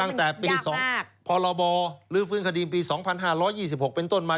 ตั้งแต่ปี๒พรบลื้อฟื้นคดีปี๒๕๒๖เป็นต้นมา